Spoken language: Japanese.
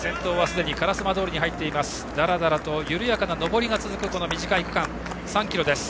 だらだらと緩やかな上りが続くこの区間、３ｋｍです。